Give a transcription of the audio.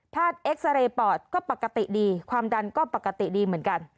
ถ้าเอ็กซาเรย์ปอดก็ปกติดีความดันก็ปกติดีเหมือนกัน